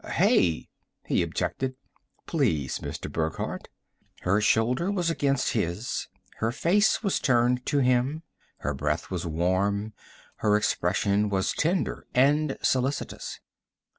"Hey!" he objected. "Please, Mr. Burckhardt." Her shoulder was against his, her face was turned to him, her breath was warm, her expression was tender and solicitous.